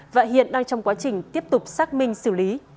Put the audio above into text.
và hiện đang trong quá trình tiếp tục xác minh xử lý